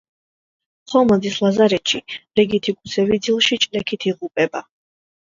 ხომალდის ლაზარეთში, რიგითი გუსევი ძილში ჭლექით იღუპება.